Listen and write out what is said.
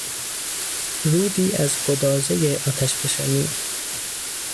رودی از گدازهی آتشفشانی